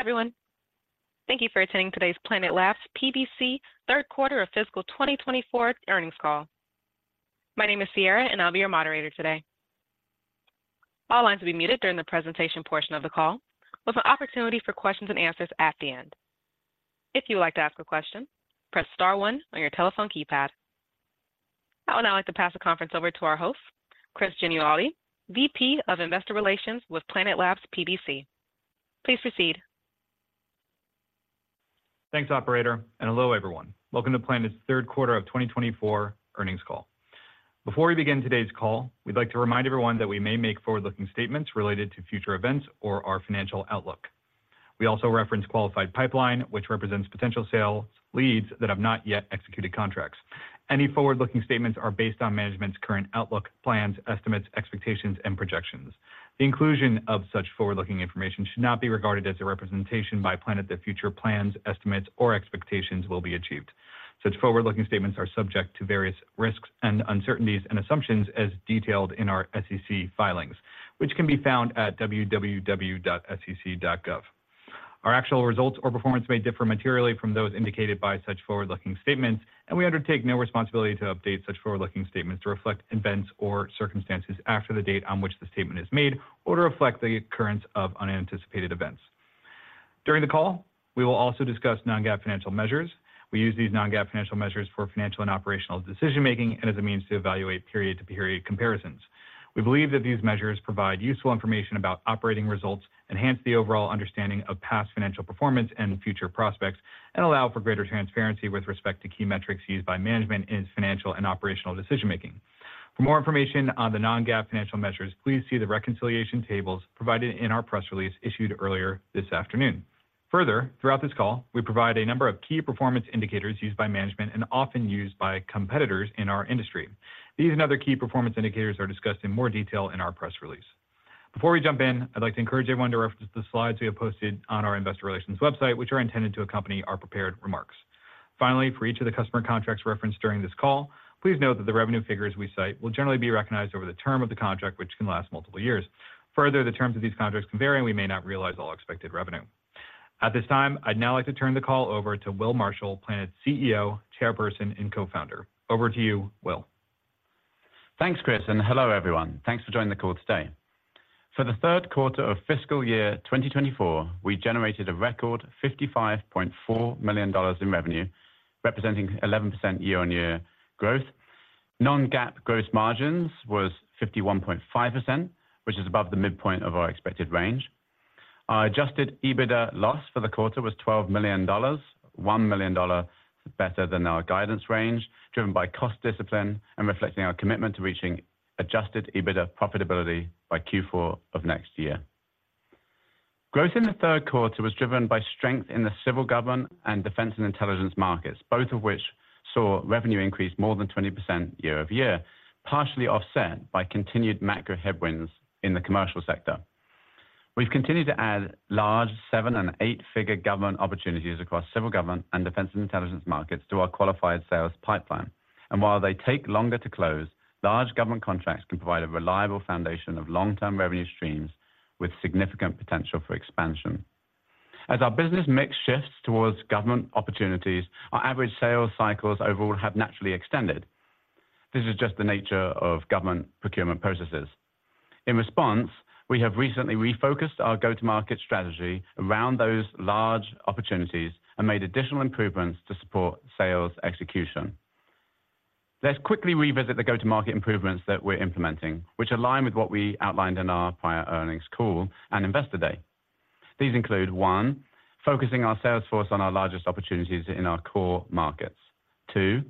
Hello, everyone. Thank you for attending today's Planet Labs PBC third quarter of fiscal 2024 earnings call. My name is Sierra, and I'll be your moderator today. All lines will be muted during the presentation portion of the call, with an opportunity for questions and answers at the end. If you would like to ask a question, press star one on your telephone keypad. I would now like to pass the conference over to our host, Chris Genualdi, VP of Investor Relations with Planet Labs PBC. Please proceed. Thanks, operator, and hello, everyone. Welcome to Planet's third quarter of 2024 earnings call. Before we begin today's call, we'd like to remind everyone that we may make forward-looking statements related to future events or our financial outlook. We also reference qualified pipeline, which represents potential sales leads that have not yet executed contracts. Any forward-looking statements are based on management's current outlook, plans, estimates, expectations, and projections. The inclusion of such forward-looking information should not be regarded as a representation by Planet that future plans, estimates, or expectations will be achieved. Such forward-looking statements are subject to various risks and uncertainties and assumptions as detailed in our SEC filings, which can be found at www.sec.gov. Our actual results or performance may differ materially from those indicated by such forward-looking statements, and we undertake no responsibility to update such forward-looking statements to reflect events or circumstances after the date on which the statement is made or to reflect the occurrence of unanticipated events. During the call, we will also discuss Non-GAAP financial measures. We use these Non-GAAP financial measures for financial and operational decision-making and as a means to evaluate period-to-period comparisons. We believe that these measures provide useful information about operating results, enhance the overall understanding of past financial performance and future prospects, and allow for greater transparency with respect to key metrics used by management in its financial and operational decision-making. For more information on the Non-GAAP financial measures, please see the reconciliation tables provided in our press release issued earlier this afternoon. Further, throughout this call, we provide a number of key performance indicators used by management and often used by competitors in our industry. These and other key performance indicators are discussed in more detail in our press release. Before we jump in, I'd like to encourage everyone to reference the slides we have posted on our investor relations website, which are intended to accompany our prepared remarks. Finally, for each of the customer contracts referenced during this call, please note that the revenue figures we cite will generally be recognized over the term of the contract, which can last multiple years. Further, the terms of these contracts can vary, and we may not realize all expected revenue. At this time, I'd now like to turn the call over to Will Marshall, Planet's CEO, Chairperson, and Co-founder. Over to you, Will. Thanks, Chris, and hello, everyone. Thanks for joining the call today. For the third quarter of fiscal year 2024, we generated a record $55.4 million in revenue, representing 11% year-over-year growth. Non-GAAP gross margins was 51.5%, which is above the midpoint of our expected range. Our adjusted EBITDA loss for the quarter was $12 million, $1 million better than our guidance range, driven by cost discipline and reflecting our commitment to reaching adjusted EBITDA profitability by Q4 of next year. Growth in the third quarter was driven by strength in the civil government and defense and intelligence markets, both of which saw revenue increase more than 20% year-over-year, partially offset by continued macro headwinds in the commercial sector. We've continued to add large 7- and 8-figure government opportunities across civil government and defense and intelligence markets to our qualified sales pipeline. While they take longer to close, large government contracts can provide a reliable foundation of long-term revenue streams with significant potential for expansion. As our business mix shifts towards government opportunities, our average sales cycles overall have naturally extended. This is just the nature of government procurement processes. In response, we have recently refocused our go-to-market strategy around those large opportunities and made additional improvements to support sales execution. Let's quickly revisit the go-to-market improvements that we're implementing, which align with what we outlined in our prior earnings call and Investor Day. These include, one, focusing our sales force on our largest opportunities in our core markets. 2,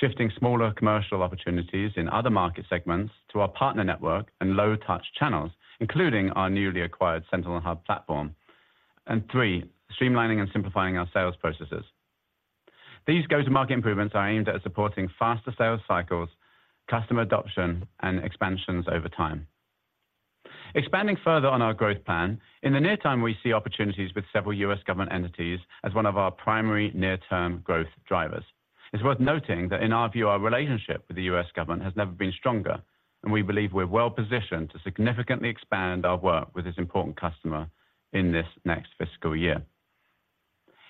shifting smaller commercial opportunities in other market segments to our partner network and low touch channels, including our newly acquired Sentinel Hub platform. 3, streamlining and simplifying our sales processes. These go-to-market improvements are aimed at supporting faster sales cycles, customer adoption, and expansions over time. Expanding further on our growth plan, in the near term, we see opportunities with several U.S. government entities as one of our primary near-term growth drivers. It's worth noting that in our view, our relationship with the U.S. government has never been stronger, and we believe we're well positioned to significantly expand our work with this important customer in this next fiscal year.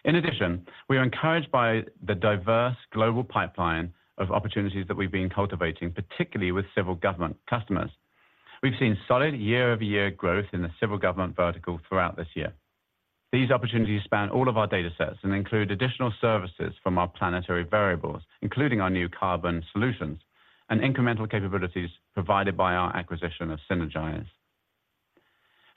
In addition, we are encouraged by the diverse global pipeline of opportunities that we've been cultivating, particularly with civil government customers. We've seen solid year-over-year growth in the civil government vertical throughout this year. These opportunities span all of our datasets and include additional services from our Planetary Variables, including our new carbon solutions and incremental capabilities provided by our acquisition of Sinergise.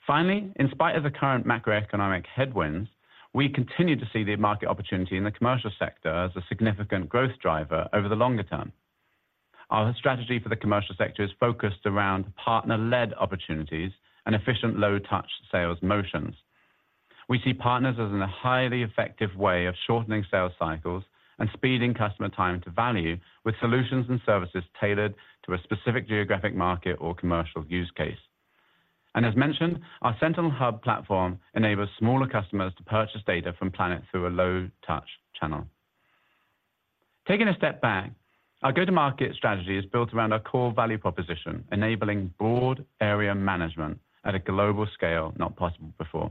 Finally, in spite of the current macroeconomic headwinds, we continue to see the market opportunity in the commercial sector as a significant growth driver over the longer term. Our strategy for the commercial sector is focused around partner-led opportunities and efficient low-touch sales motions. We see partners as in a highly effective way of shortening sales cycles and speeding customer time to value with solutions and services tailored to a specific geographic market or commercial use case. And as mentioned, our Sentinel Hub platform enables smaller customers to purchase data from Planet through a low touch channel. Taking a step back, our go-to-market strategy is built around our core value proposition, enabling broad area management at a global scale not possible before.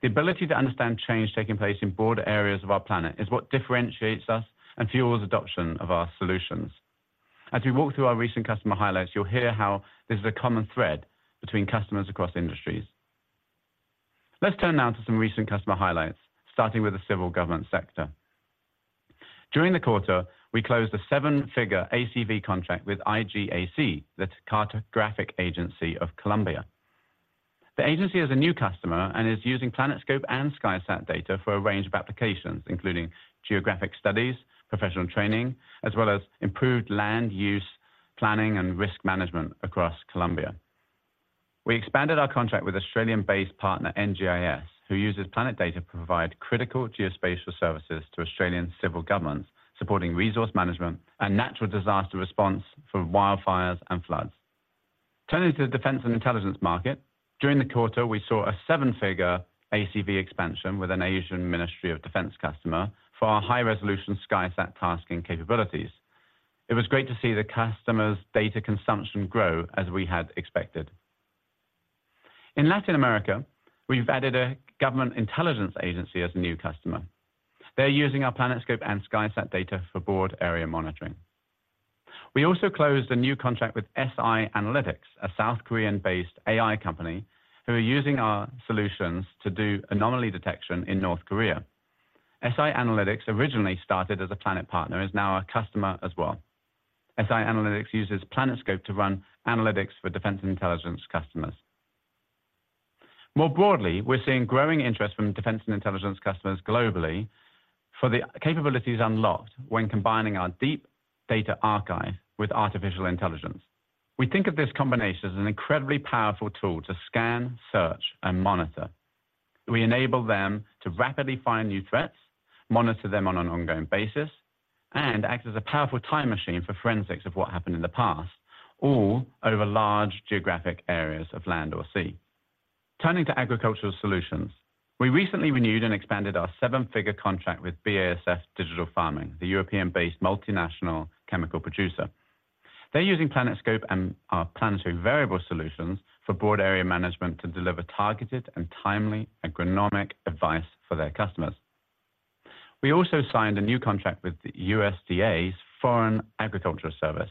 The ability to understand change taking place in broad areas of our planet is what differentiates us and fuels adoption of our solutions. As we walk through our recent customer highlights, you'll hear how this is a common thread between customers across industries. Let's turn now to some recent customer highlights, starting with the civil government sector. During the quarter, we closed a seven-figure ACV contract with IGAC, the Cartographic Agency of Colombia. The agency is a new customer and is using PlanetScope and SkySat data for a range of applications, including geographic studies, professional training, as well as improved land use, planning, and risk management across Colombia. We expanded our contract with Australian-based partner NGIS, who uses Planet data to provide critical geospatial services to Australian civil government, supporting resource management and natural disaster response for wildfires and floods. Turning to the defense and intelligence market, during the quarter, we saw a seven-figure ACV expansion with an Asian Ministry of Defense customer for our high-resolution SkySat tasking capabilities. It was great to see the customer's data consumption grow as we had expected. In Latin America, we've added a government intelligence agency as a new customer. They're using our PlanetScope and SkySat data for broad area monitoring. We also closed a new contract with SI Analytics, a South Korean-based AI company who are using our solutions to do anomaly detection in North Korea. SI Analytics originally started as a Planet partner, and is now our customer as well. SI Analytics uses PlanetScope to run analytics for defense and intelligence customers. More broadly, we're seeing growing interest from defense and intelligence customers globally for the capabilities unlocked when combining our deep data archive with artificial intelligence. We think of this combination as an incredibly powerful tool to scan, search, and monitor. We enable them to rapidly find new threats, monitor them on an ongoing basis, and act as a powerful time machine for forensics of what happened in the past, all over large geographic areas of land or sea. Turning to agricultural solutions, we recently renewed and expanded our seven-figure contract with BASF Digital Farming, the European-based multinational chemical producer. They're using PlanetScope and our Planetary Variable Solutions for broad area management to deliver targeted and timely agronomic advice for their customers. We also signed a new contract with the USDA's Foreign Agricultural Service.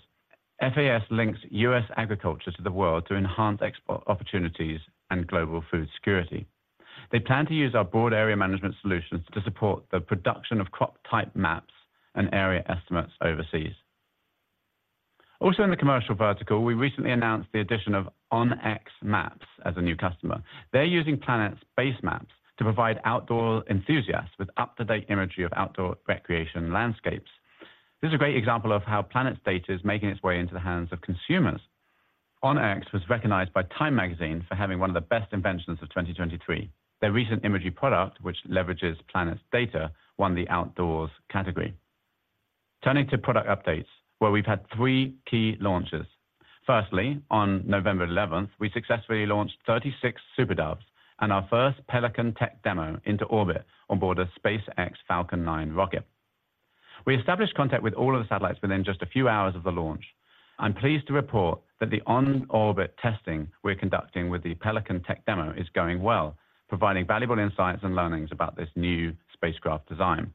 FAS links U.S. agriculture to the world to enhance export opportunities and global food security. They plan to use our broad area management solutions to support the production of crop type maps and area estimates overseas. Also in the commercial vertical, we recently announced the addition of onX Maps as a new customer. They're using Planet's base maps to provide outdoor enthusiasts with up-to-date imagery of outdoor recreation landscapes. This is a great example of how Planet's data is making its way into the hands of consumers. onX was recognized by Time Magazine for having one of the best inventions of 2023. Their recent imagery product, which leverages Planet's data, won the outdoors category. Turning to product updates, where we've had three key launches. Firstly, on November 11, we successfully launched 36 SuperDoves and our first Pelican tech demo into orbit on board a SpaceX Falcon 9 rocket. We established contact with all of the satellites within just a few hours of the launch. I'm pleased to report that the on-orbit testing we're conducting with the Pelican tech demo is going well, providing valuable insights and learnings about this new spacecraft design.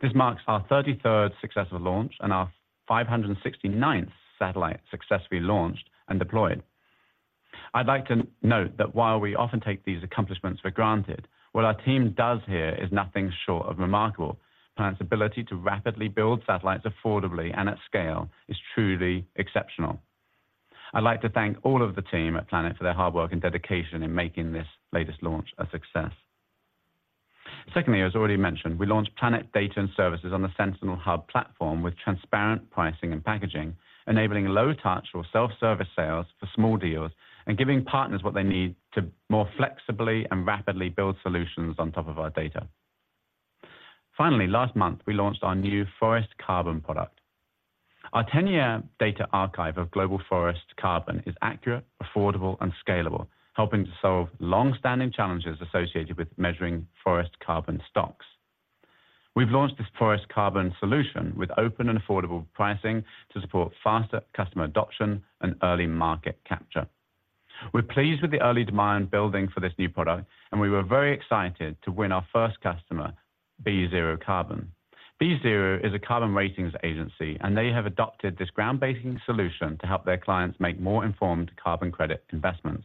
This marks our 33rd successful launch and our 569th satellite successfully launched and deployed. I'd like to note that while we often take these accomplishments for granted, what our team does here is nothing short of remarkable. Planet's ability to rapidly build satellites affordably and at scale is truly exceptional. I'd like to thank all of the team at Planet for their hard work and dedication in making this latest launch a success. Secondly, as already mentioned, we launched Planet Data and Services on the Sentinel Hub platform with transparent pricing and packaging, enabling low touch or self-service sales for small deals, and giving partners what they need to more flexibly and rapidly build solutions on top of our data. Finally, last month, we launched our new Forest Carbon product. Our ten-year data archive of global Forest Carbon is accurate, affordable, and scalable, helping to solve long-standing challenges associated with measuring Forest Carbon stocks. We've launched this Forest Carbon solution with open and affordable pricing to support faster customer adoption and early market capture. We're pleased with the early demand building for this new product, and we were very excited to win our first customer, BeZero Carbon. BeZero is a carbon ratings agency, and they have adopted this groundbreaking solution to help their clients make more informed carbon credit investments.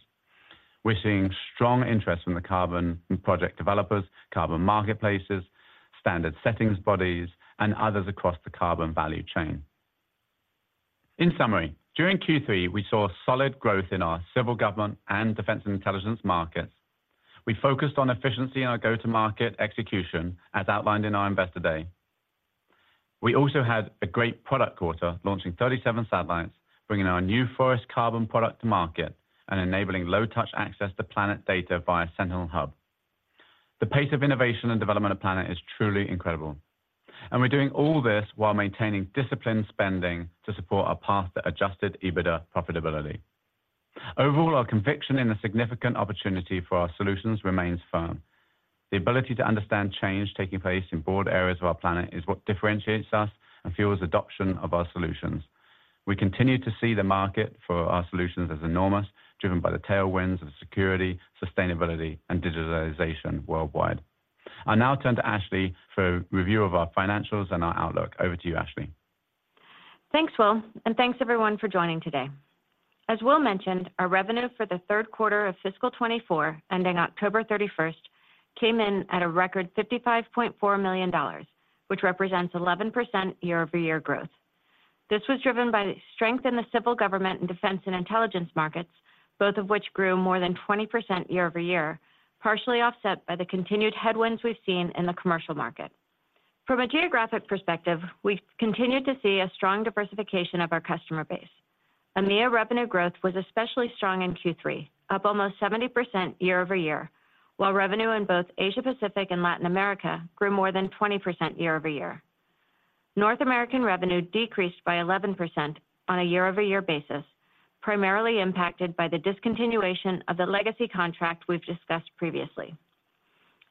We're seeing strong interest from the carbon and project developers, carbon marketplaces, standard settings bodies, and others across the carbon value chain. In summary, during Q3, we saw solid growth in our civil government and defense intelligence markets. We focused on efficiency in our go-to-market execution, as outlined in our Investor Day. We also had a great product quarter, launching 37 satellites, bringing our new Forest Carbon product to market, and enabling low-touch access to Planet data via Sentinel Hub. The pace of innovation and development of Planet is truly incredible, and we're doing all this while maintaining disciplined spending to support our path to Adjusted EBITDA profitability. Overall, our conviction in the significant opportunity for our solutions remains firm. The ability to understand change taking place in broad areas of our planet is what differentiates us and fuels adoption of our solutions. We continue to see the market for our solutions as enormous, driven by the tailwinds of security, sustainability, and digitalization worldwide. I'll now turn to Ashley for review of our financials and our outlook. Over to you, Ashley. Thanks, Will, and thanks everyone for joining today. As Will mentioned, our revenue for the third quarter of fiscal 2024, ending October 31, came in at a record $55.4 million, which represents 11% year-over-year growth. This was driven by the strength in the civil government and defense and intelligence markets, both of which grew more than 20% year-over-year, partially offset by the continued headwinds we've seen in the commercial market. From a geographic perspective, we've continued to see a strong diversification of our customer base. EMEA revenue growth was especially strong in Q3, up almost 70% year-over-year, while revenue in both Asia Pacific and Latin America grew more than 20% year-over-year. North America revenue decreased by 11% on a year-over-year basis, primarily impacted by the discontinuation of the legacy contract we've discussed previously.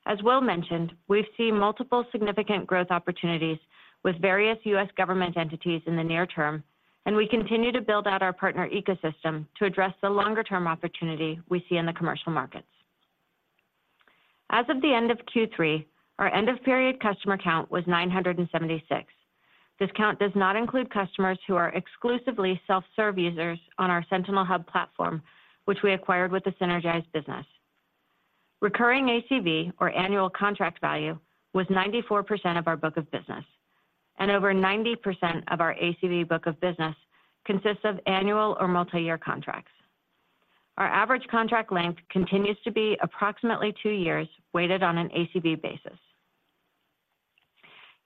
As Will mentioned, we've seen multiple significant growth opportunities with various U.S. government entities in the near term, and we continue to build out our partner ecosystem to address the longer-term opportunity we see in the commercial markets. As of the end of Q3, our end-of-period customer count was 976. This count does not include customers who are exclusively self-serve users on our Sentinel Hub platform, which we acquired with the Sinergise business. Recurring ACV, or annual contract value, was 94% of our book of business, and over 90% of our ACV book of business consists of annual or multiyear contracts. Our average contract length continues to be approximately two years, weighted on an ACV basis.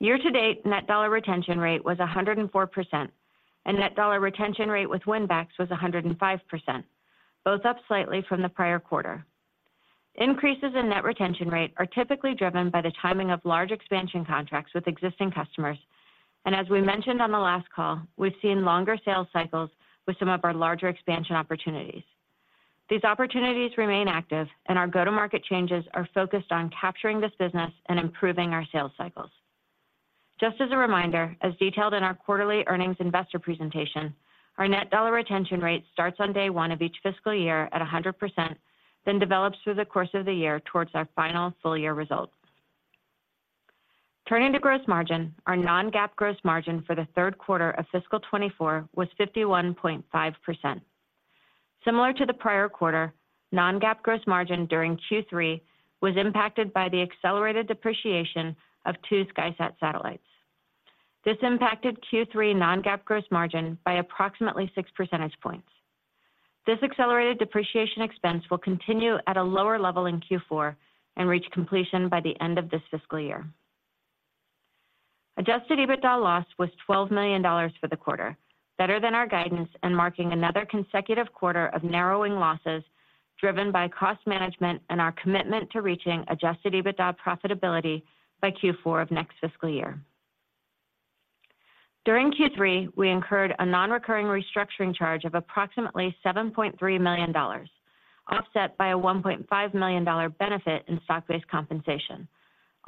Year-to-date, Net Dollar Retention Rate was 104%, and Net Dollar Retention Rate with win-backs was 105%, both up slightly from the prior quarter. Increases in net retention rate are typically driven by the timing of large expansion contracts with existing customers, and as we mentioned on the last call, we've seen longer sales cycles with some of our larger expansion opportunities. These opportunities remain active, and our go-to-market changes are focused on capturing this business and improving our sales cycles. Just as a reminder, as detailed in our quarterly earnings investor presentation, our Net Dollar Retention Rate starts on day one of each fiscal year at 100%, then develops through the course of the year towards our final full-year results. Turning to gross margin, our non-GAAP gross margin for the third quarter of fiscal 2024 was 51.5%. Similar to the prior quarter, non-GAAP gross margin during Q3 was impacted by the accelerated depreciation of 2 SkySat satellites. This impacted Q3 non-GAAP gross margin by approximately 6 percentage points. This accelerated depreciation expense will continue at a lower level in Q4 and reach completion by the end of this fiscal year. Adjusted EBITDA loss was $12 million for the quarter, better than our guidance and marking another consecutive quarter of narrowing losses driven by cost management and our commitment to reaching adjusted EBITDA profitability by Q4 of next fiscal year. During Q3, we incurred a non-recurring restructuring charge of approximately $7.3 million, offset by a $1.5 million benefit in stock-based compensation,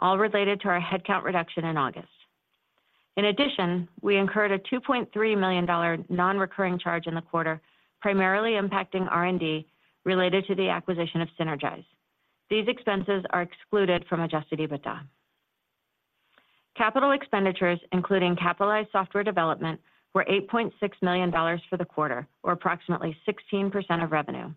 all related to our headcount reduction in August. In addition, we incurred a $2.3 million non-recurring charge in the quarter, primarily impacting R&D related to the acquisition of Sinergise. These expenses are excluded from Adjusted EBITDA. Capital expenditures, including capitalized software development, were $8.6 million for the quarter, or approximately 16% of revenue.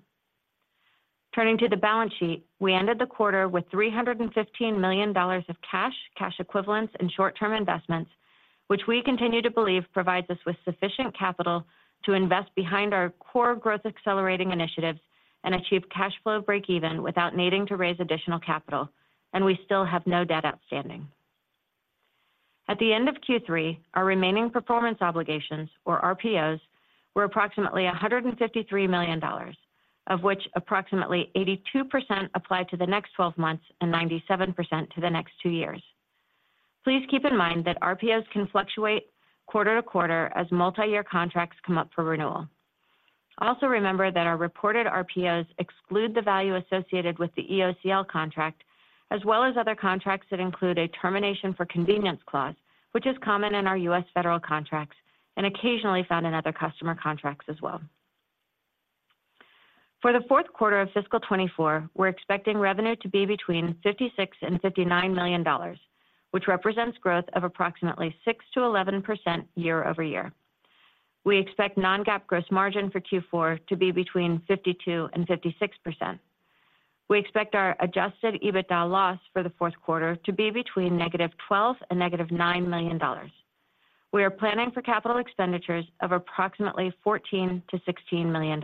Turning to the balance sheet, we ended the quarter with $315 million of cash, cash equivalents, and short-term investments, which we continue to believe provides us with sufficient capital to invest behind our core growth accelerating initiatives and achieve cash flow breakeven without needing to raise additional capital, and we still have no debt outstanding. At the end of Q3, our remaining performance obligations, or RPOs, were approximately $153 million, of which approximately 82% apply to the next twelve months and 97% to the next two years. Please keep in mind that RPOs can fluctuate quarter to quarter as multiyear contracts come up for renewal. Also remember that our reported RPOs exclude the value associated with the EOCL contract, as well as other contracts that include a termination for convenience clause, which is common in our U.S. federal contracts and occasionally found in other customer contracts as well. For the fourth quarter of fiscal 2024, we're expecting revenue to be between $56 million and $59 million, which represents growth of approximately 6%-11% year-over-year. We expect non-GAAP gross margin for Q4 to be between 52% and 56%. We expect our adjusted EBITDA loss for the fourth quarter to be between -$12 million and -$9 million. We are planning for capital expenditures of approximately $14 million-$16 million.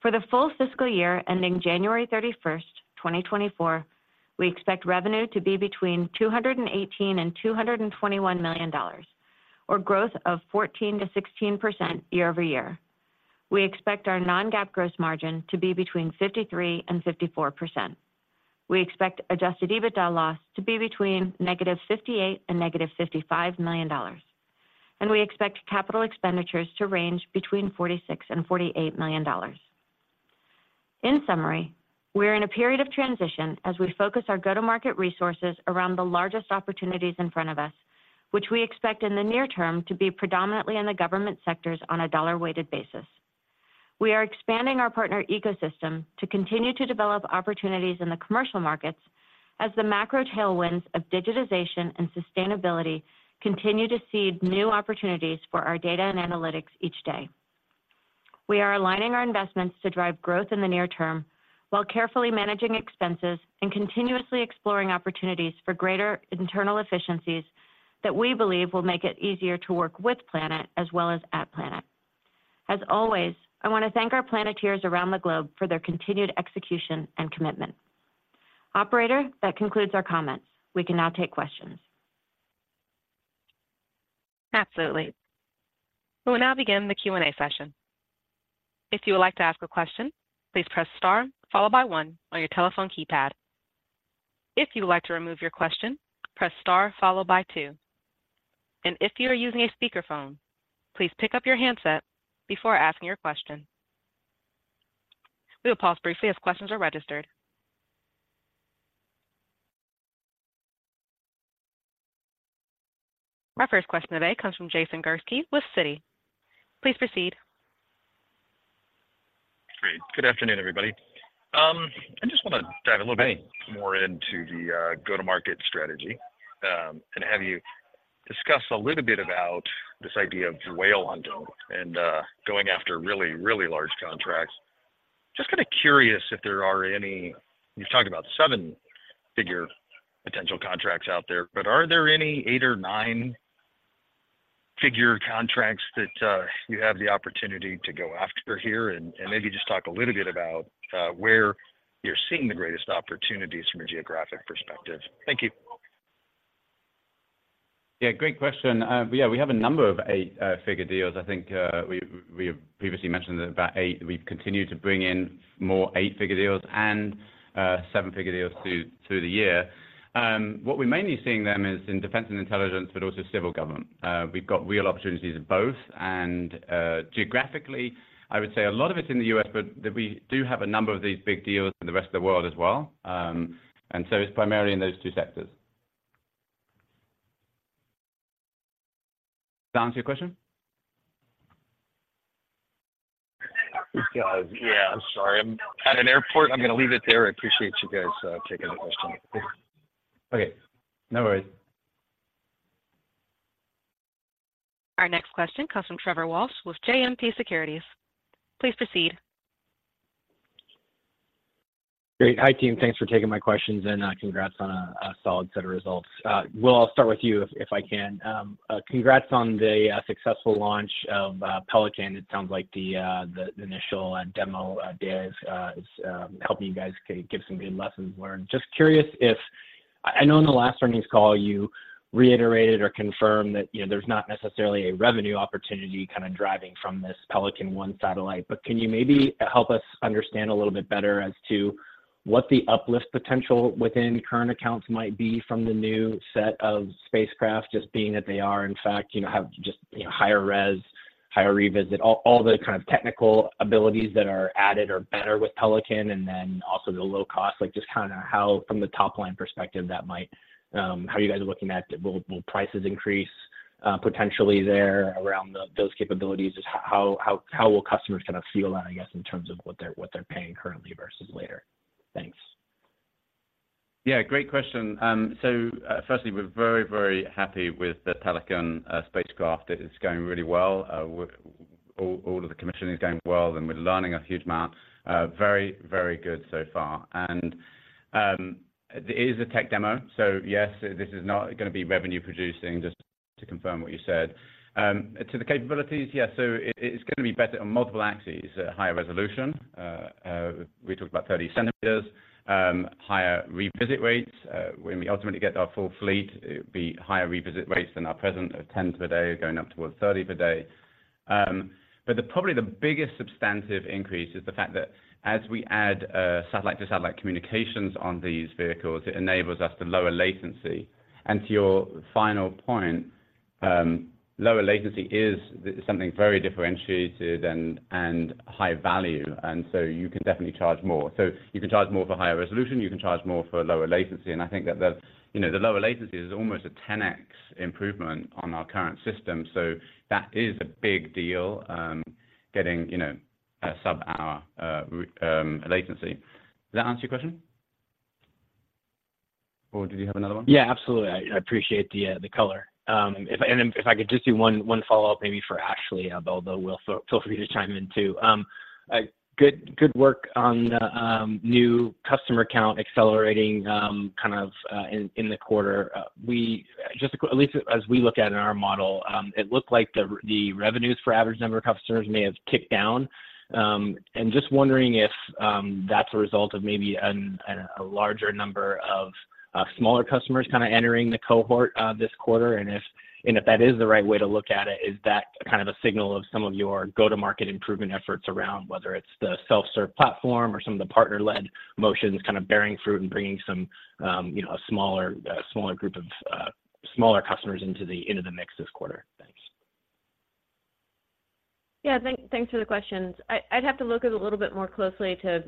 For the full fiscal year ending January 31, 2024, we expect revenue to be between $218 million and $221 million, or growth of 14%-16% year-over-year. We expect our non-GAAP gross margin to be between 53% and 54%. We expect adjusted EBITDA loss to be between -$58 million and -$55 million, and we expect capital expenditures to range between $46 million and $48 million. In summary, we're in a period of transition as we focus our go-to-market resources around the largest opportunities in front of us, which we expect in the near term to be predominantly in the government sectors on a dollar-weighted basis. We are expanding our partner ecosystem to continue to develop opportunities in the commercial markets as the macro tailwinds of digitization and sustainability continue to seed new opportunities for our data and analytics each day. We are aligning our investments to drive growth in the near term, while carefully managing expenses and continuously exploring opportunities for greater internal efficiencies that we believe will make it easier to work with Planet as well as at Planet. As always, I want to thank our Planeteers around the globe for their continued execution and commitment. Operator, that concludes our comments. We can now take questions. Absolutely. We will now begin the Q&A session. If you would like to ask a question, please press star followed by one on your telephone keypad. If you would like to remove your question, press star followed by two, and if you are using a speakerphone, please pick up your handset before asking your question. We will pause briefly as questions are registered. Our first question today comes from Jason Gursky with Citi. Please proceed. Great! Good afternoon, everybody. I just want to dive a little bit more into the go-to-market strategy and have you discuss a little bit about this idea of whale hunting and going after really, really large contracts. Just kind of curious if there are any—you've talked about seven-figure potential contracts out there, but are there any eight or nine-figure contracts that you have the opportunity to go after here? And maybe just talk a little bit about where you're seeing the greatest opportunities from a geographic perspective. Thank you. Yeah, great question. Yeah, we have a number of 8-figure deals. I think, we have previously mentioned about 8. We've continued to bring in more 8-figure deals and, seven-figure deals through the year. What we're mainly seeing them is in defense and intelligence, but also civil government. We've got real opportunities in both. Geographically, I would say a lot of it's in the U.S., but that we do have a number of these big deals in the rest of the world as well. And so it's primarily in those two sectors. Does that answer your question? It does. Yeah. I'm sorry. I'm at an airport. I'm gonna leave it there. I appreciate you guys taking the question. Okay. No worries. Our next question comes from Trevor Walsh with JMP Securities. Please proceed. Great. Hi, team. Thanks for taking my questions, and congrats on a solid set of results. Will, I'll start with you, if I can. Congrats on the successful launch of Pelican. It sounds like the initial demo data is helping you guys give some good lessons learned. Just curious if... I know in the last earnings call, you reiterated or confirmed that, you know, there's not necessarily a revenue opportunity kind of driving from this Pelican-1 satellite, but can you maybe help us understand a little bit better as to what the uplift potential within current accounts might be from the new set of spacecraft, just being that they are, in fact, you know, have just, you know, higher res, higher revisit, all the kind of technical abilities that are added or better with Pelican, and then also the low cost? Like, just kind of how from the top line perspective, that might... How are you guys looking at, will prices increase, potentially there around those capabilities? Just how will customers kind of feel that, I guess, in terms of what they're paying currently versus later? Thanks. Yeah, great question. So, firstly, we're very, very happy with the Pelican spacecraft. It is going really well. All of the commissioning is going well, and we're learning a huge amount. Very, very good so far. And it is a tech demo, so yes, this is not gonna be revenue producing, just to confirm what you said. To the capabilities, yeah, so it, it's gonna be better on multiple axes, higher resolution. We talked about 30 centimeters, higher revisit rates. When we ultimately get our full fleet, it'll be higher revisit rates than our present tens per day, going up towards 30 per day. But probably the biggest substantive increase is the fact that as we add satellite-to-satellite communications on these vehicles, it enables us to lower latency. And to your final point, lower latency is something very differentiated and high value, and so you can definitely charge more. So you can charge more for higher resolution, you can charge more for lower latency, and I think that the, you know, the lower latency is almost a 10x improvement on our current system. So that is a big deal, getting, you know, a sub-hour latency. Does that answer your question? Or did you have another one? Yeah, absolutely. I appreciate the color. If I could just do one follow-up, maybe for Ashley, although Will, feel free to chime in, too. Good work on the new customer account accelerating kind of in the quarter. At least as we look at in our model, it looked like the revenues for average number of customers may have ticked down. And just wondering if that's a result of maybe a larger number of smaller customers kind of entering the cohort this quarter, and if-... And if that is the right way to look at it, is that kind of a signal of some of your go-to-market improvement efforts around, whether it's the self-serve platform or some of the partner-led motions, kind of bearing fruit and bringing some, you know, a smaller group of smaller customers into the mix this quarter? Thanks. Yeah, thanks for the questions. I'd have to look at it a little bit more closely to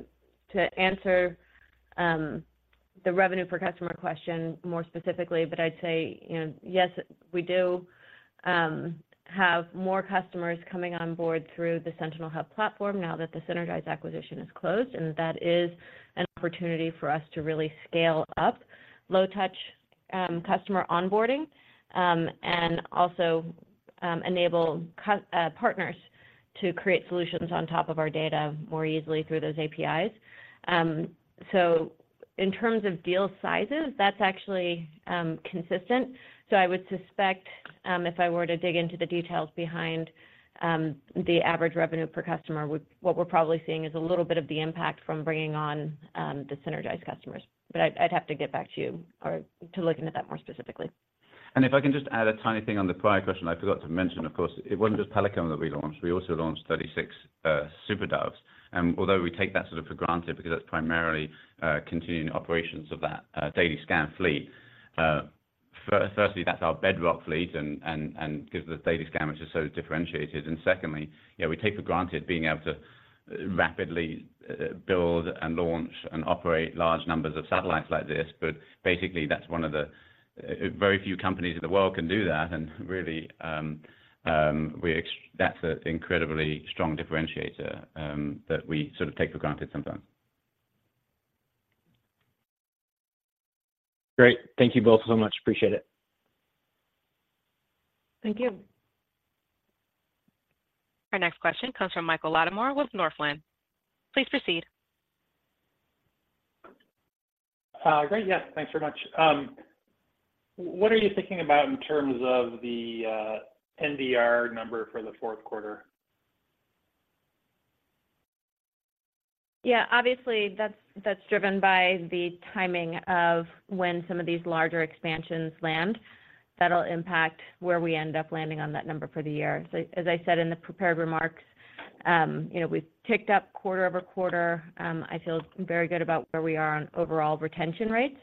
answer the revenue per customer question more specifically, but I'd say, you know, yes, we do have more customers coming on board through the Sentinel Hub platform now that the Sinergise acquisition is closed, and that is an opportunity for us to really scale up low-touch customer onboarding, and also enable partners to create solutions on top of our data more easily through those APIs. So in terms of deal sizes, that's actually consistent. So I would suspect, if I were to dig into the details behind the average revenue per customer, what we're probably seeing is a little bit of the impact from bringing on the Sinergise customers. But I'd have to get back to you or to looking at that more specifically. If I can just add a tiny thing on the prior question I forgot to mention, of course, it wasn't just Pelican that we launched. We also launched 36 SuperDoves. Although we take that sort of for granted because that's primarily continuing operations of that daily scan fleet, firstly, that's our bedrock fleet and gives us daily scan, which is so differentiated. Secondly, yeah, we take for granted being able to rapidly build and launch and operate large numbers of satellites like this, but basically that's one of the very few companies in the world can do that, and really, that's an incredibly strong differentiator that we sort of take for granted sometimes. Great. Thank you both so much. Appreciate it. Thank you. Our next question comes from Michael Lattimore with Northland. Please proceed. Great. Yes, thanks very much. What are you thinking about in terms of the NDR number for the fourth quarter? Yeah, obviously, that's, that's driven by the timing of when some of these larger expansions land. That'll impact where we end up landing on that number for the year. So as I said in the prepared remarks, you know, we've ticked up quarter-over-quarter. I feel very good about where we are on overall retention rates.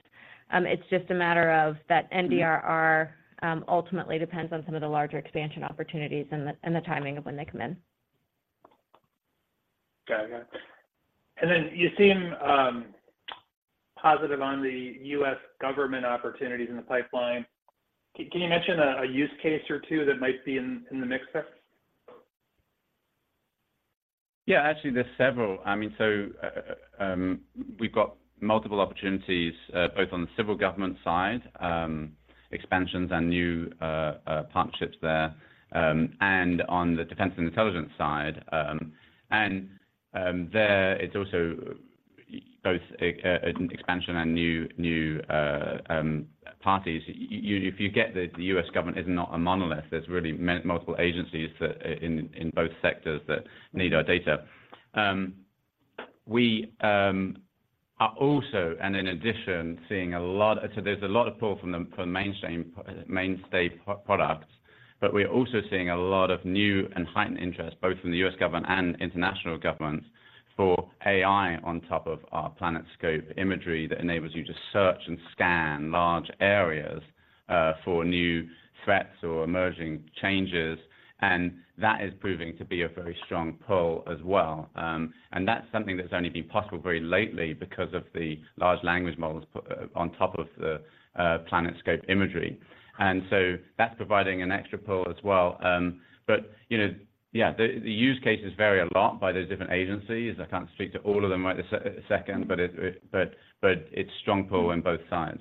It's just a matter of that NDRR, ultimately depends on some of the larger expansion opportunities and the, and the timing of when they come in. Got it. And then you seem positive on the U.S. government opportunities in the pipeline. Can you mention a use case or two that might be in the mix there? Yeah, actually, there's several. I mean, so, we've got multiple opportunities, both on the civil government side, expansions and new partnerships there, and on the defense and intelligence side, and there it's also both an expansion and new parties. You, if you get that the U.S. government is not a monolith, there's really multiple agencies that in both sectors that need our data. We are also, and in addition, seeing a lot... So there's a lot of pull from the mainstream, mainstay products, but we're also seeing a lot of new and heightened interest, both from the U.S. government and international governments, for AI on top of our PlanetScope imagery that enables you to search and scan large areas for new threats or emerging changes, and that is proving to be a very strong pull as well. And that's something that's only been possible very lately because of the large language models on top of the PlanetScope imagery. And so that's providing an extra pull as well. But, you know, yeah, the use cases vary a lot by those different agencies. I can't speak to all of them right this second, but it's strong pull in both sides.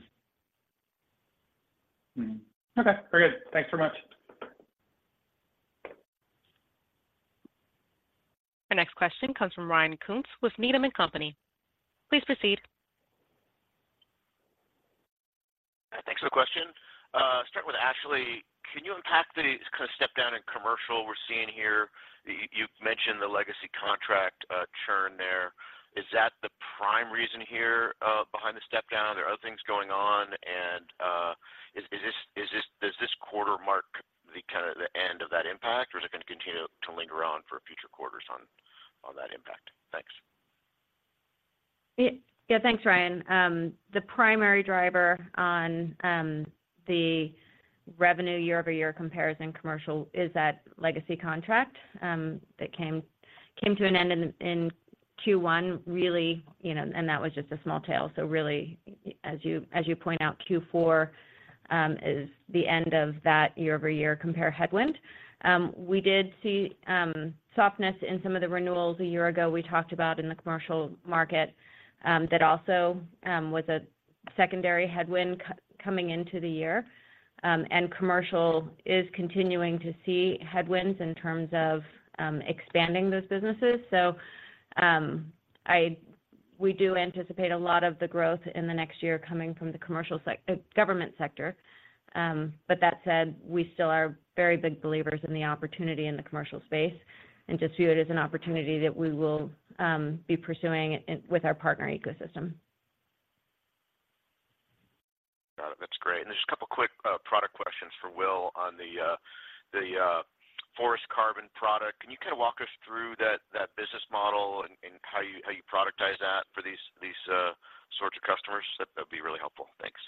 Mm-hmm. Okay, very good. Thanks very much. Our next question comes from Ryan Koontz with Needham and Company. Please proceed. Thanks for the question. Start with Ashley. Can you unpack the kind of step down in commercial we're seeing here? You've mentioned the legacy contract, churn there. Is that the prime reason here, behind the step down? Are there other things going on? And, does this quarter mark the kind of the end of that impact, or is it going to continue to linger on for future quarters on that impact? Thanks. Yeah. Yeah, thanks, Ryan. The primary driver on the revenue year-over-year comparison commercial is that legacy contract that came to an end in Q1, really, you know, and that was just a small tail. So really, as you point out, Q4 is the end of that year-over-year compare headwind. We did see softness in some of the renewals a year ago, we talked about in the commercial market, that also was a secondary headwind coming into the year. And commercial is continuing to see headwinds in terms of expanding those businesses. So, I, we do anticipate a lot of the growth in the next year coming from the commercial, government sector. But that said, we still are very big believers in the opportunity in the commercial space, and just view it as an opportunity that we will be pursuing with our partner ecosystem.... Got it. That's great. Just a couple quick product questions for Will on the, the, forest carbon product. Can you kind of walk us through that, that business model and, and how you, how you productize that for these, these, sorts of customers? That, that'd be really helpful. Thanks.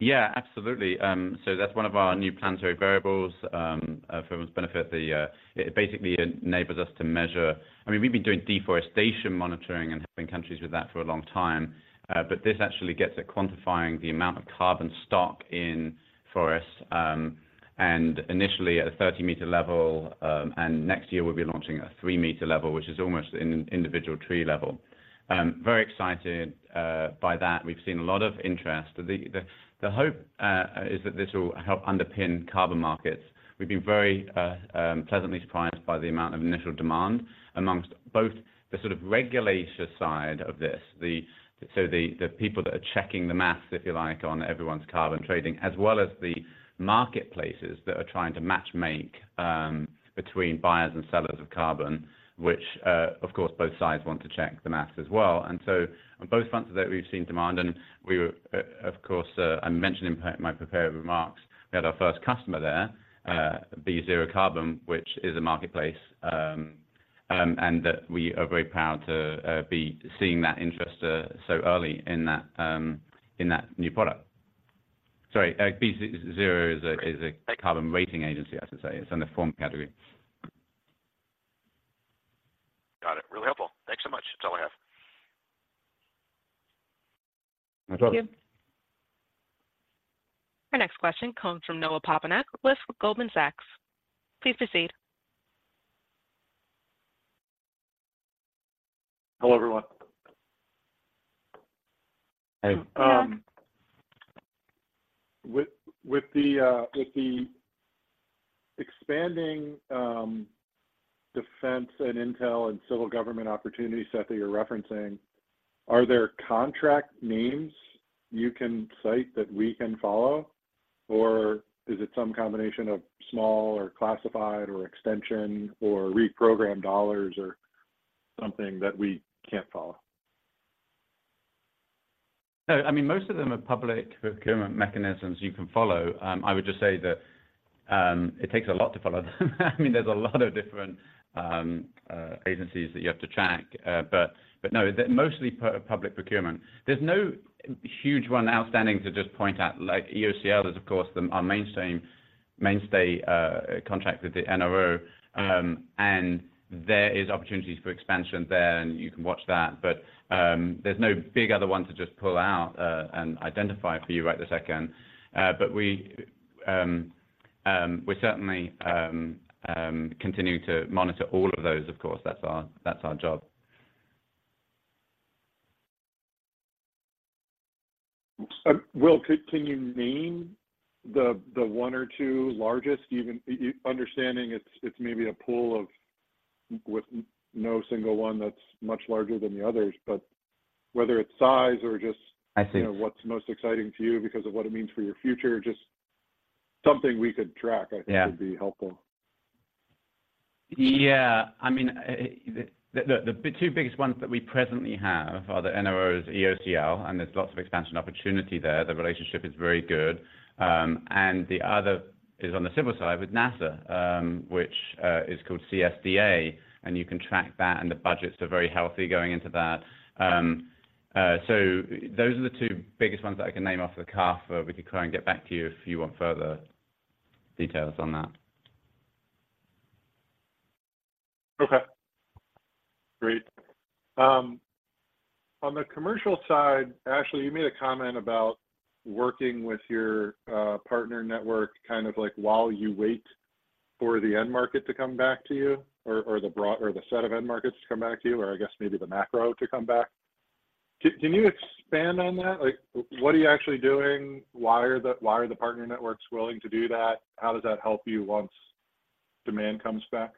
Yeah, absolutely. So that's one of our new Planetary Variables, for everyone's benefit. The, it basically enables us to measure—I mean, we've been doing deforestation monitoring and helping countries with that for a long time, but this actually gets at quantifying the amount of carbon stock in forests, and initially at a 30-meter level, and next year we'll be launching a 3-meter level, which is almost in individual tree level. Very excited by that. We've seen a lot of interest. The hope is that this will help underpin carbon markets. We've been very pleasantly surprised by the amount of initial demand among both the sort of regulation side of this, so the people that are checking the math, if you like, on everyone's carbon trading, as well as the marketplaces that are trying to matchmake between buyers and sellers of carbon, which, of course, both sides want to check the math as well. And so on both fronts of that, we've seen demand, and we were, of course, I mentioned in my prepared remarks, we had our first customer there, BeZero Carbon, which is a marketplace, and that we are very proud to be seeing that interest so early in that new product. Sorry, BeZero is a carbon rating agency, I should say. It's in the form category. Got it. Really helpful. Thanks so much. That's all I have. No trouble. Thank you. Our next question comes from Noah Poponak with Goldman Sachs. Please proceed. Hello, everyone. Hey. With the expanding defense and intel and civil government opportunity set that you're referencing, are there contract names you can cite that we can follow? Or is it some combination of small or classified or extension or reprogrammed dollars or something that we can't follow? No, I mean, most of them are public procurement mechanisms you can follow. I would just say that it takes a lot to follow them. I mean, there's a lot of different agencies that you have to track, but no, they're mostly public procurement. There's no huge one outstanding to just point out, like EOCL is, of course, our mainstay contract with the NRO, and there is opportunities for expansion there, and you can watch that, but there's no big other one to just pull out and identify for you right this second. But we, we're certainly continuing to monitor all of those, of course, that's our job. Will, can you name the one or two largest, even you understanding it's maybe a pool of... with no single one that's much larger than the others, but whether it's size or just- I see. You know, what's most exciting to you because of what it means for your future, just something we could track, I think. Yeah... would be helpful. Yeah. I mean, the two biggest ones that we presently have are the NRO's EOCL, and there's lots of expansion opportunity there. The relationship is very good. And the other is on the civil side with NASA, which is called CSDA, and you can track that, and the budgets are very healthy going into that. So those are the two biggest ones that I can name off the cuff, or we could try and get back to you if you want further details on that. Okay, great. On the commercial side, Ashley, you made a comment about working with your partner network, kind of like while you wait for the end market to come back to you, or the broad or the set of end markets to come back to you, or I guess maybe the macro to come back. Can you expand on that? Like, what are you actually doing? Why are the partner networks willing to do that? How does that help you once demand comes back?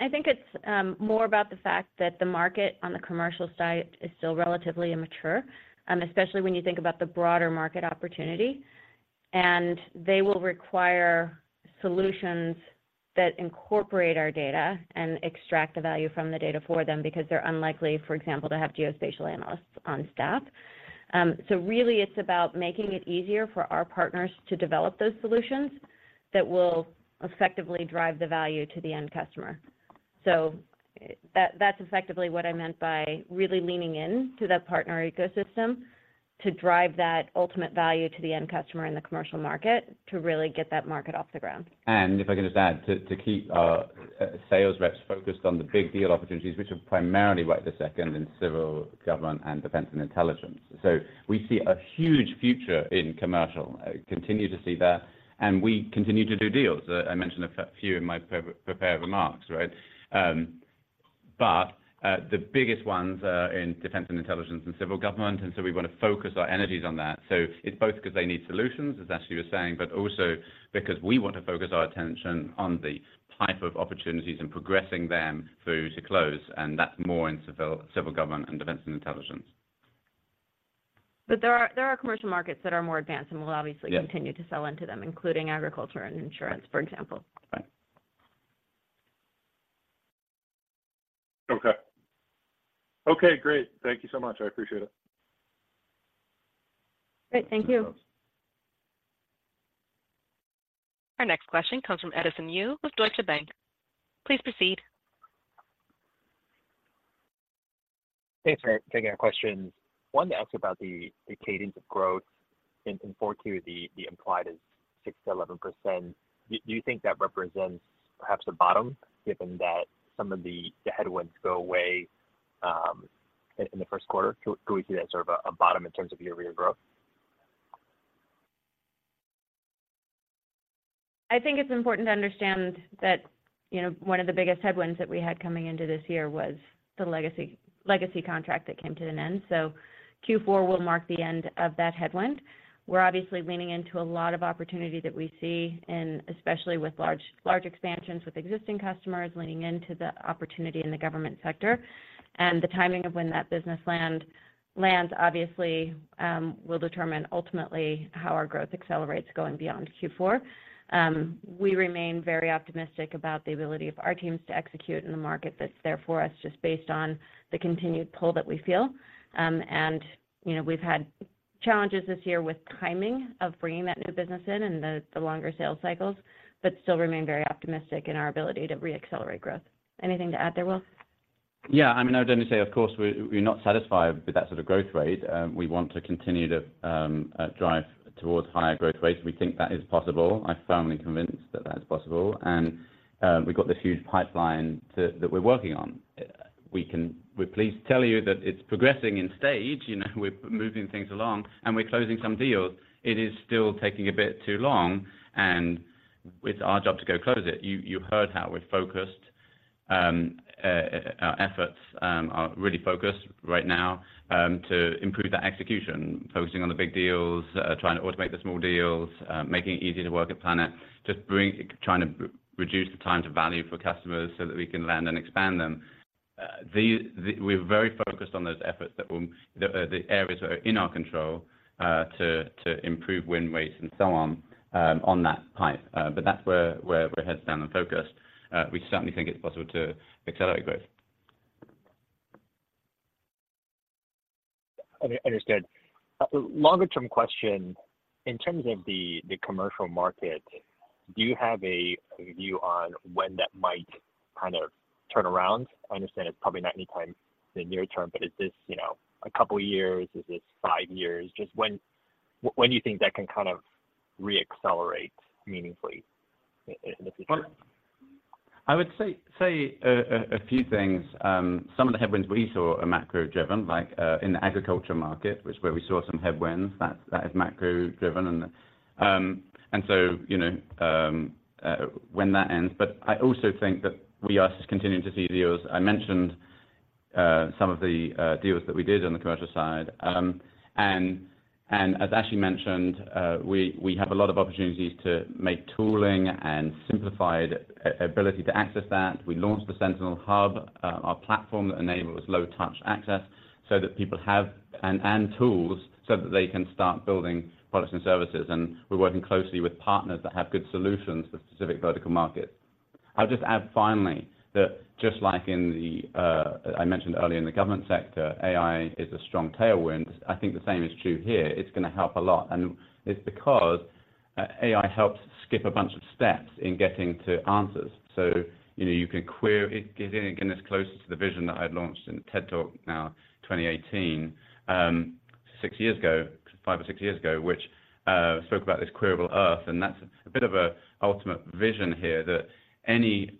I think it's more about the fact that the market on the commercial side is still relatively immature, especially when you think about the broader market opportunity. And they will require solutions that incorporate our data and extract the value from the data for them, because they're unlikely, for example, to have geospatial analysts on staff. So really it's about making it easier for our partners to develop those solutions that will effectively drive the value to the end customer. So that's effectively what I meant by really leaning in to that partner ecosystem to drive that ultimate value to the end customer in the commercial market, to really get that market off the ground. If I can just add, to keep our sales reps focused on the big deal opportunities, which are primarily right this second in civil government and defense and intelligence. So we see a huge future in commercial. Continue to see that, and we continue to do deals. I mentioned a few in my pre-prepared remarks, right? But, the biggest ones are in defense and intelligence and civil government, and so we want to focus our energies on that. So it's both 'cause they need solutions, as Ashley was saying, but also because we want to focus our attention on the type of opportunities and progressing them through to close, and that's more in civil government and defense and intelligence. ... But there are commercial markets that are more advanced, and we'll obviously... Yeah continue to sell into them, including agriculture and insurance, for example. Right. Okay. Okay, great. Thank you so much. I appreciate it. Great. Thank you. Thanks. Our next question comes from Edison Yu with Deutsche Bank. Please proceed. Thanks for taking our questions. Wanted to ask about the cadence of growth in Q4, the implied is 6%-11%. Do you think that represents perhaps the bottom, given that some of the headwinds go away in the first quarter? Do we see that sort of a bottom in terms of year-over-year growth? I think it's important to understand that, you know, one of the biggest headwinds that we had coming into this year was the legacy, legacy contract that came to an end, so Q4 will mark the end of that headwind. We're obviously leaning into a lot of opportunity that we see, and especially with large, large expansions with existing customers, leaning into the opportunity in the government sector. The timing of when that business lands obviously will determine ultimately how our growth accelerates going beyond Q4. We remain very optimistic about the ability of our teams to execute in the market that's there for us, just based on the continued pull that we feel. You know, we've had challenges this year with timing of bringing that new business in and the longer sales cycles, but still remain very optimistic in our ability to reaccelerate growth. Anything to add there, Will? Yeah, I mean, I would only say, of course, we're not satisfied with that sort of growth rate. We want to continue to drive towards higher growth rates. We think that is possible. I'm firmly convinced that that's possible, and we've got this huge pipeline that we're working on. We're pleased to tell you that it's progressing in stage, you know, we're moving things along and we're closing some deals. It is still taking a bit too long, and it's our job to go close it. You, you heard how we're focused, our efforts are really focused right now to improve that execution, focusing on the big deals, trying to automate the small deals, making it easier to work at Planet, trying to reduce the time to value for customers so that we can land and expand them. We're very focused on those efforts that will, the areas that are in our control to improve win rates and so on, on that pipe. But that's where our head's down and focused. We certainly think it's possible to accelerate growth. Understood. Longer term question, in terms of the commercial market, do you have a view on when that might kind of turn around? I understand it's probably not anytime in the near term, but is this, you know, a couple of years? Is this five years? Just when, when do you think that can kind of reaccelerate meaningfully in the future? Well, I would say a few things. Some of the headwinds we saw are macro-driven, like, in the agriculture market, which is where we saw some headwinds, that is macro-driven. And when that ends, but I also think that we are continuing to see deals. I mentioned some of the deals that we did on the commercial side. And as Ashley mentioned, we have a lot of opportunities to make tooling and simplified ability to access that. We launched the Sentinel Hub, our platform that enables low-touch access so that people have... and tools, so that they can start building products and services, and we're working closely with partners that have good solutions for specific vertical markets. I'll just add finally, that just like in the I mentioned earlier in the government sector, AI is a strong tailwind. I think the same is true here. It's gonna help a lot, and it's because AI helps skip a bunch of steps in getting to answers. So, you know, you can query. Getting this closer to the vision that I'd launched in TED Talk now 2018, six years ago, five or six years ago, which spoke about this Queryable Earth, and that's a bit of a ultimate vision here, that any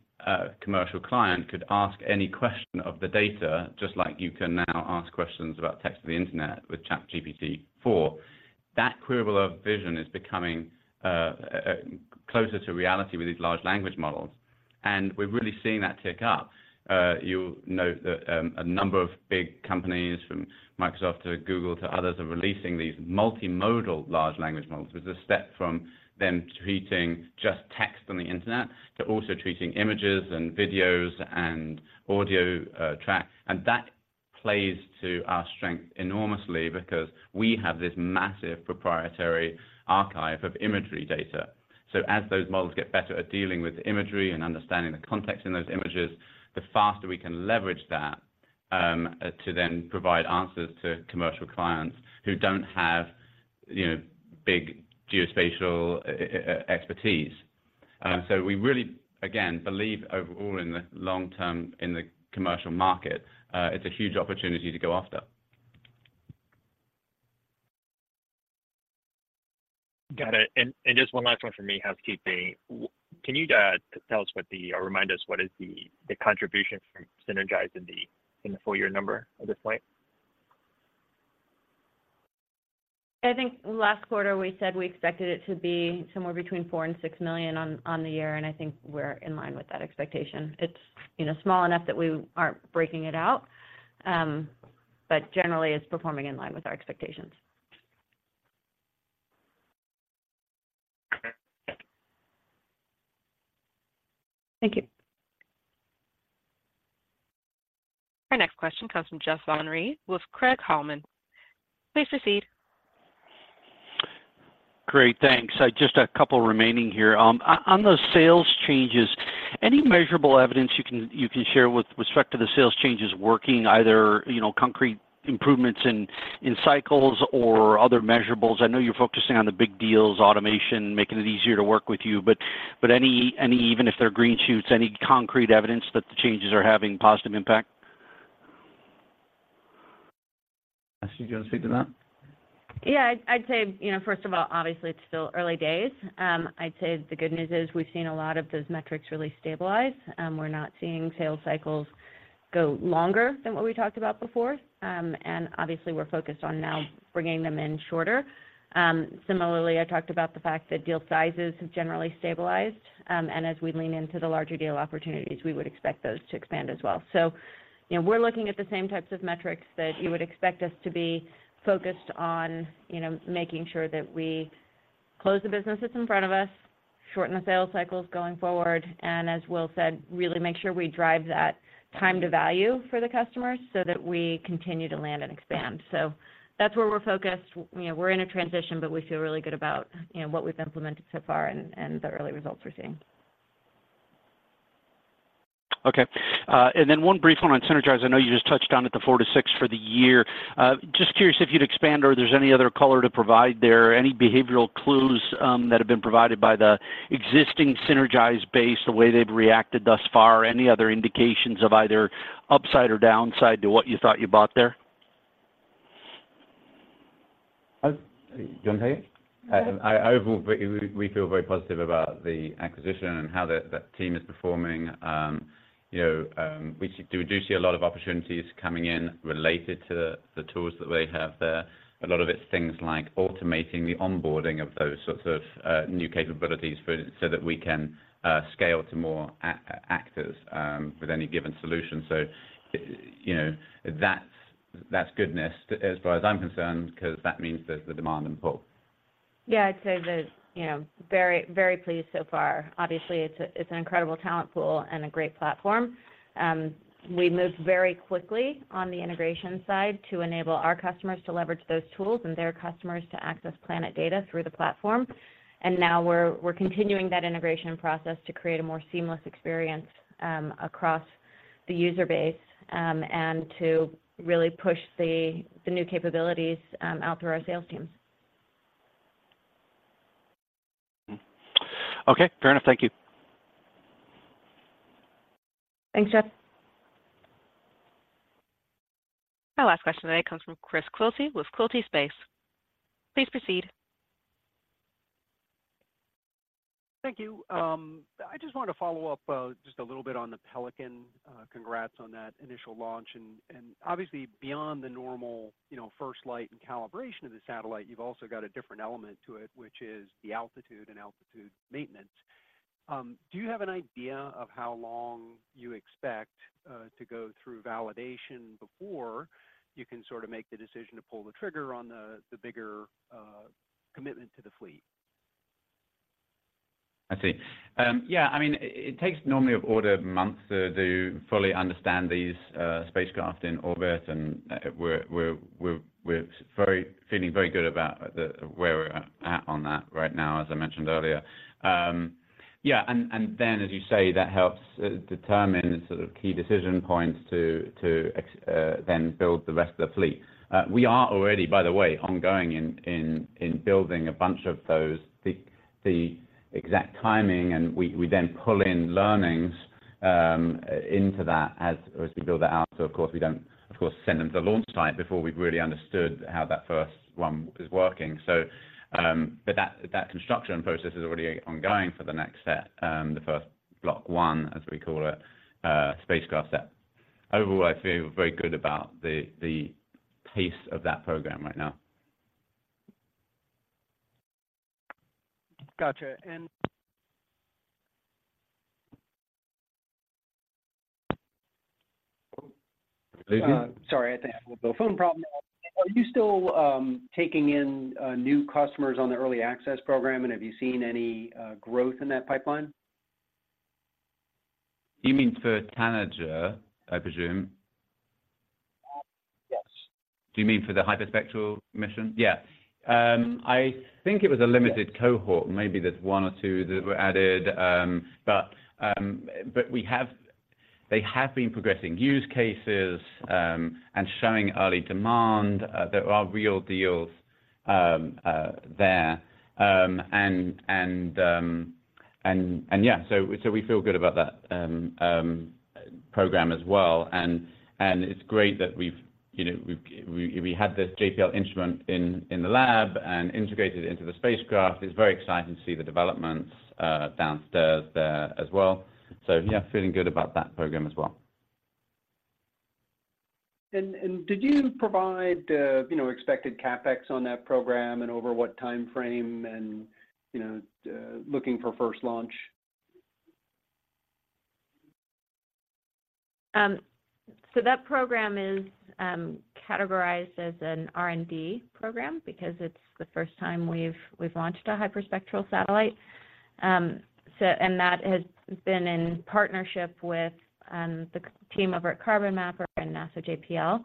commercial client could ask any question of the data, just like you can now ask questions about text of the internet with ChatGPT-4. That Queryable Earth vision is becoming closer to reality with these large language models, and we're really seeing that tick up. You'll note that a number of big companies, from Microsoft to Google to others, are releasing these multimodal large language models. There's a step from them treating just text on the internet, to also treating images and videos and audio tracks. And that plays to our strength enormously because we have this massive proprietary archive of imagery data. So as those models get better at dealing with imagery and understanding the context in those images, the faster we can leverage that to then provide answers to commercial clients who don't have, you know, big geospatial expertise. Yeah. We really, again, believe overall in the long term in the commercial market. It's a huge opportunity to go after. Got it. And just one last one for me, Ashley. Can you tell us what, or remind us, what is the contribution from Sinergise in the full year number at this point? I think last quarter we said we expected it to be somewhere between $4 million and $6 million on the year, and I think we're in line with that expectation. It's, you know, small enough that we aren't breaking it out, but generally it's performing in line with our expectations.... Thank you. Our next question comes from Jeff Van Rhee with Craig-Hallum. Please proceed. Great, thanks. Just a couple remaining here. On the sales changes, any measurable evidence you can share with respect to the sales changes working, either, you know, concrete improvements in cycles or other measurables? I know you're focusing on the big deals, automation, making it easier to work with you, but any even if they're green shoots, any concrete evidence that the changes are having positive impact? Ashley, do you wanna speak to that? Yeah, I'd say, you know, first of all, obviously, it's still early days. I'd say the good news is we've seen a lot of those metrics really stabilize, we're not seeing sales cycles go longer than what we talked about before. And obviously, we're focused on now bringing them in shorter. Similarly, I talked about the fact that deal sizes have generally stabilized, and as we lean into the larger deal opportunities, we would expect those to expand as well. So, you know, we're looking at the same types of metrics that you would expect us to be focused on, you know, making sure that we close the businesses in front of us, shorten the sales cycles going forward, and as Will said, really make sure we drive that time to value for the customers so that we continue to land and expand. So that's where we're focused. You know, we're in a transition, but we feel really good about, you know, what we've implemented so far and, and the early results we're seeing. Okay. And then one brief one on Sinergise. I know you just touched on it, the 4-6 for the year. Just curious if you'd expand or there's any other color to provide there. Any behavioral clues, that have been provided by the existing Sinergise base, the way they've reacted thus far? Any other indications of either upside or downside to what you thought you bought there? Do you wanna say it? Mm-hmm. Overall, we feel very positive about the acquisition and how the team is performing. You know, we see a lot of opportunities coming in related to the tools that they have there. A lot of it's things like automating the onboarding of those sorts of new capabilities for, so that we can scale to more actors with any given solution. So, you know, that's goodness as far as I'm concerned, 'cause that means there's the demand and pull. Yeah, I'd say that, you know, very, very pleased so far. Obviously, it's an incredible talent pool and a great platform. We moved very quickly on the integration side to enable our customers to leverage those tools and their customers to access Planet data through the platform. And now we're continuing that integration process to create a more seamless experience across the user base, and to really push the new capabilities out through our sales teams. Mm-hmm. Okay, fair enough. Thank you. Thanks, Jeff. Our last question today comes from Chris Quilty with Quilty Space. Please proceed. Thank you. I just wanted to follow up just a little bit on the Pelican. Congrats on that initial launch. And obviously, beyond the normal, you know, first light and calibration of the satellite, you've also got a different element to it, which is the altitude and altitude maintenance. Do you have an idea of how long you expect to go through validation before you can sort of make the decision to pull the trigger on the bigger commitment to the fleet? I see. Yeah, I mean, it takes normally of order months to fully understand these spacecraft in orbit, and we're feeling very good about where we're at on that right now, as I mentioned earlier. Yeah, and then, as you say, that helps determine the sort of key decision points to then build the rest of the fleet. We are already, by the way, ongoing in building a bunch of those. The exact timing, and we then pull in learnings into that as we build that out. So of course, we don't, of course, send them to the launch site before we've really understood how that first one is working. So, but that construction process is already ongoing for the next set, the first Block 1, as we call it, spacecraft set. Overall, I feel very good about the pace of that program right now. Gotcha. And- Sorry again? Sorry, I think I have a little phone problem there. Are you still taking in new customers on the early access program, and have you seen any growth in that pipeline? You mean for Tanager, I presume? Uh, yes. Do you mean for the hyperspectral mission? Yeah. I think it was a limited- Yes... cohort. Maybe there's one or two that were added, but we have—they have been progressing use cases and showing early demand. There are real deals there, and yeah, so we feel good about that program as well. And it's great that we've, you know, had this JPL instrument in the lab and integrated into the spacecraft. It's very exciting to see the developments downstairs there as well. So yeah, feeling good about that program as well. Did you provide, you know, expected CapEx on that program, and over what timeframe, and, you know, looking for first launch?... So that program is categorized as an R&D program because it's the first time we've launched a hyperspectral satellite. So, and that has been in partnership with the team over at Carbon Mapper and NASA JPL.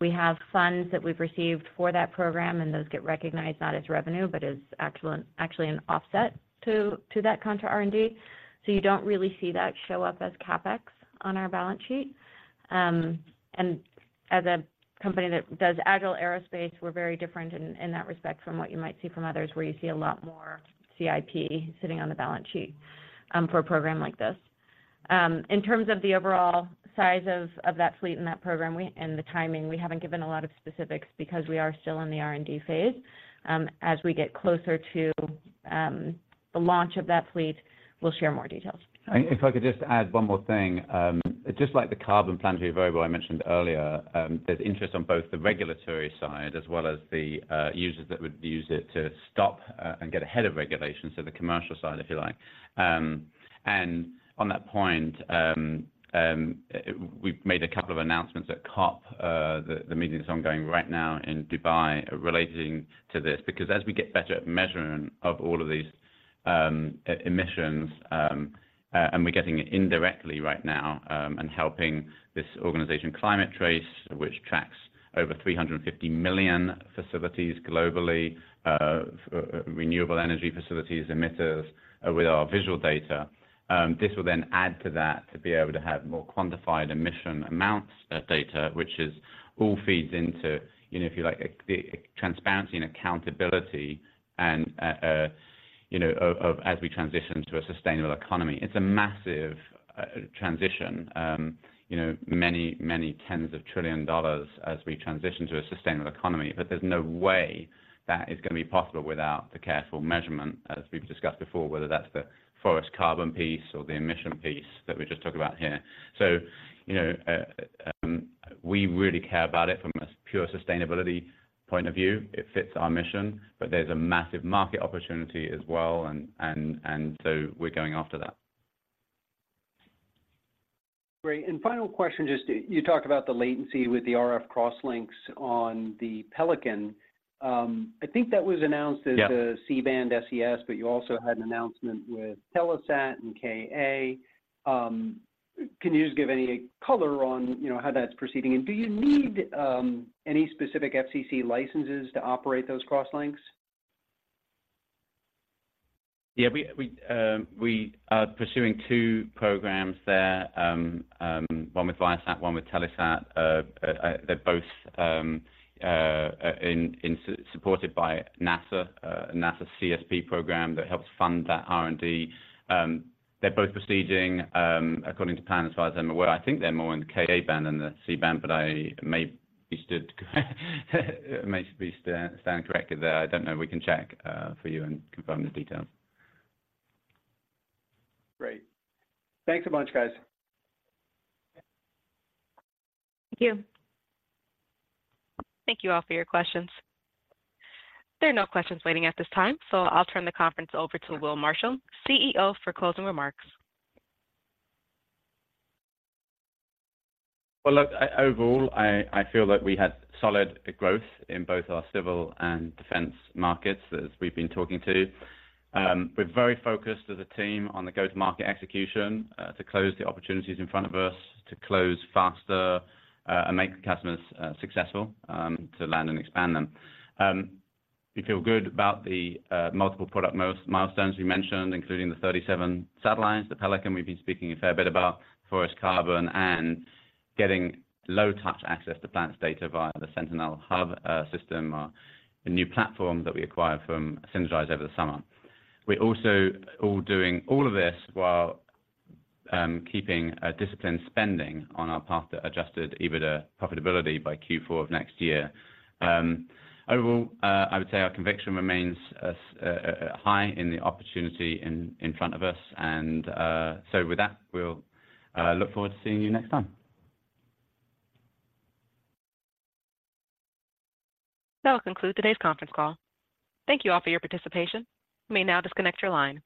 We have funds that we've received for that program, and those get recognized not as revenue, but as actually an offset to that contract R&D. So you don't really see that show up as CapEx on our balance sheet. And as a company that does agile aerospace, we're very different in that respect from what you might see from others, where you see a lot more CIP sitting on the balance sheet, for a program like this. In terms of the overall size of that fleet and that program, and the timing, we haven't given a lot of specifics because we are still in the R&D phase. As we get closer to the launch of that fleet, we'll share more details. If I could just add one more thing. Just like the Carbon Planetary Variable I mentioned earlier, there's interest on both the regulatory side as well as the users that would use it to stop and get ahead of regulations, so the commercial side, if you like. On that point, we've made a couple of announcements at COP, the meeting that's ongoing right now in Dubai relating to this. Because as we get better at measuring of all of these emissions, and we're getting it indirectly right now, and helping this organization, Climate TRACE, which tracks over 350 million facilities globally, renewable energy facilities, emitters, with our visual data, this will then add to that to be able to have more quantified emission amounts of data, which is... All feeds into, you know, if you like, the transparency and accountability and, you know, of as we transition to a sustainable economy. It's a massive transition, you know, many, many tens of $trillions as we transition to a sustainable economy, but there's no way that is going to be possible without the careful measurement, as we've discussed before, whether that's the forest carbon piece or the emission piece that we just talked about here. So, you know, we really care about it from a pure sustainability point of view. It fits our mission, but there's a massive market opportunity as well, and so we're going after that. Great. And final question, just, you talked about the latency with the RF crosslinks on the Pelican. I think that was announced as- Yeah... the C-band SES, but you also had an announcement with Telesat and Ka. Can you just give any color on, you know, how that's proceeding? And do you need any specific FCC licenses to operate those crosslinks? Yeah, we are pursuing two programs there. One with Viasat, one with Telesat. They're both supported by NASA CSP program that helps fund that R&D. They're both proceeding according to plan, as far as I'm aware. I think they're more in the Ka-band than the C-band, but I may be standing corrected there. I don't know. We can check for you and confirm the details. Great. Thanks a bunch, guys. Thank you. Thank you all for your questions. There are no questions waiting at this time, so I'll turn the conference over to Will Marshall, CEO, for closing remarks. Well, look, overall, I feel like we had solid growth in both our civil and defense markets, as we've been talking to. We're very focused as a team on the go-to-market execution, to close the opportunities in front of us, to close faster, and make the customers successful, to land and expand them. We feel good about the multiple product milestones we mentioned, including the 37 satellites, the Pelican we've been speaking a fair bit about, forest carbon, and getting low-touch access to Planet's data via the Sentinel Hub system, the new platform that we acquired from Sinergise over the summer. We're also all doing all of this while keeping a disciplined spending on our path to Adjusted EBITDA profitability by Q4 of next year. Overall, I would say our conviction remains as high in the opportunity in front of us, and so with that, we'll look forward to seeing you next time. That will conclude today's conference call. Thank you all for your participation. You may now disconnect your lines.